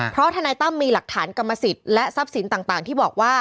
เพราะทนายตั้มมีหลักฐานกรรมสิทธิ์และทรัพย์สินต่างที่บอกว่า